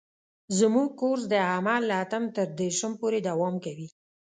زموږ کورس د حمل له اتم تر دېرشم پورې دوام کوي.